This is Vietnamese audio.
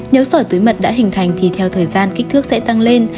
nếu sỏi túi mật đã hình thành thì theo thời gian kích thước sẽ tăng lên